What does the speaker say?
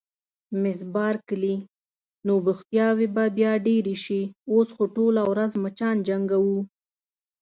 مس بارکلي: نو بوختیاوې به بیا ډېرې شي، اوس خو ټوله ورځ مچان جنګوو.